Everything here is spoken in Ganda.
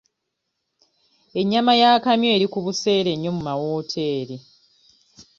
Ennyama y'akamyu eri ku buseere nnyo mu mawooteri.